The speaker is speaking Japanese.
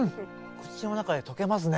口の中で溶けますね。